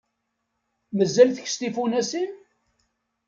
Mazal tkess tifunasin?